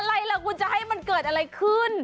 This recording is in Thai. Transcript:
อะไรล่ะคุณจะให้มันเกิดอะไรขึ้น